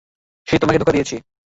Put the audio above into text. সে তোমাকে ধোঁকা দিয়েছে।